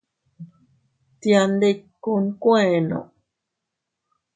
Tiandikku nkuenno.